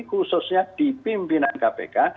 khususnya di pimpinan kpk